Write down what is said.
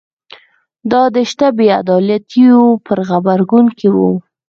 دا د شته بې عدالتیو په غبرګون کې و